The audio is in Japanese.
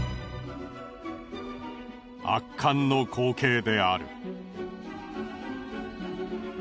圧巻の光景である。